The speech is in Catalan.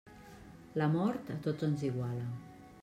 La mort, a tots ens iguala.